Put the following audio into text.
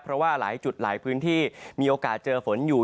เพราะว่าหลายจุดหลายพื้นที่มีโอกาสเจอฝนอยู่